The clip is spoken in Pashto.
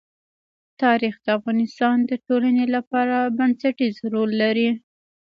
تاریخ د افغانستان د ټولنې لپاره بنسټيز رول لري.